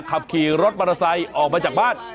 ขับขี่รถมอเตอร์ไซค์ออกมาจากบ้าน